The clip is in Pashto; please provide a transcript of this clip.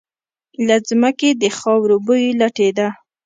له ځمکې د خاورو بوی لټېده.